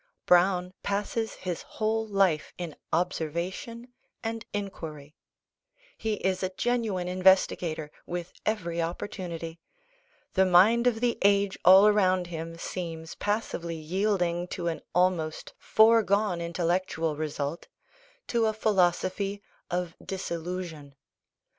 Browne passes his whole life in observation and inquiry: he is a genuine investigator, with every opportunity: the mind of the age all around him seems passively yielding to an almost foregone intellectual result, to a philosophy of disillusion.